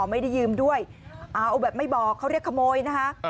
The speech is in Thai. ไม่ได้ยืมด้วยเอาแบบไม่บอกเขาเรียกขโมยนะคะ